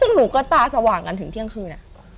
ซึ่งหนูก็ตาสว่างกันถึงเที่ยงคืน